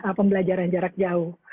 atau pembelajaran jarak jauh